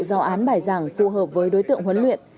do án bài giảng phù hợp với đối tượng huấn luyện